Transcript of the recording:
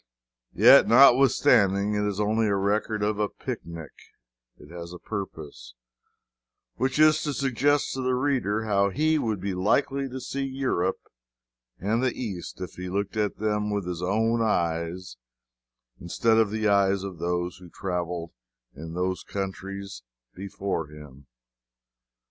Yet notwithstanding it is only a record of a pic nic, it has a purpose, which is to suggest to the reader how he would be likely to see Europe and the East if he looked at them with his own eyes instead of the eyes of those who traveled in those countries before him.